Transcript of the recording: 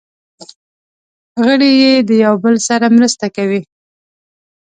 غړي یې د یو بل سره مرسته کوي.